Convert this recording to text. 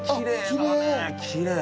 きれい。